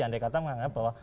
anda yang kata menganggap bahwa